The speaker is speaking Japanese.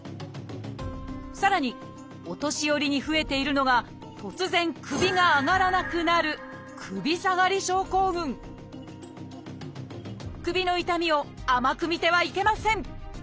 さらにお年寄りに増えているのが突然首が上がらなくなる首の痛みを甘く見てはいけません。